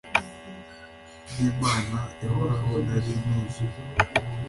bw'imana ihoraho, nari nuzuye